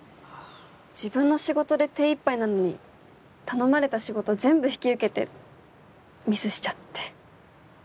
自分の仕事で手いっぱいなのに頼まれた仕事全部引き受けてミスしちゃって。